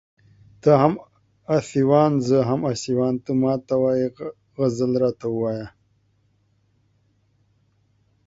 ته هم اسيوان زه هم اسيوان ته ما ته وايې غزل راته ووايه